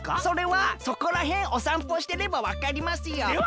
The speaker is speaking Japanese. それはそこらへんおさんぽしてればわかりますよ。